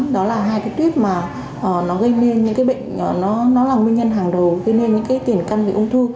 đó là hai cái tuyếp mà nó gây nên những cái bệnh nó là nguyên nhân hàng đầu gây nên những cái tiền căn bị ung thư